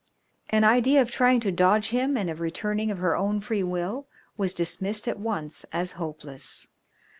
An idea of trying to dodge him and of returning of her own free will was dismissed at once as hopeless.